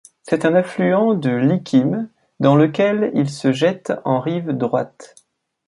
C'est un affluent de l'Ichim dans lequel il se jette en rive droite.